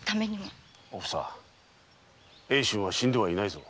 おふさ英春は死んではいないぞ。